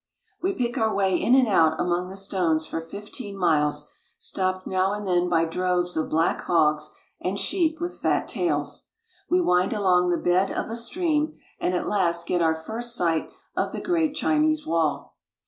We pick our way in and out among the stones for fifteen miles, stopped now and then by droves of black hogs and sheep with fat tails. We wind along the bed of a stream, and at last get our first sight of the Great Chinese Wall.